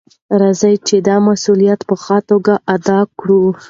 راځئ چې دا مسؤلیت په ښه توګه ادا کړو.